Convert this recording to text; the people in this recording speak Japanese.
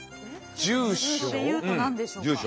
住所？